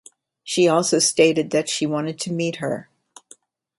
She also stated that she wanted to meet her.